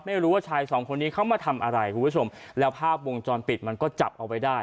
ไม่รู้ว่าชายสองคนนี้เขามาทำอะไรคุณผู้ชมแล้วภาพวงจรปิดมันก็จับเอาไว้ได้